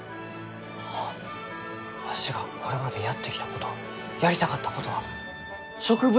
あわしがこれまでやってきたことやりたかったことは植物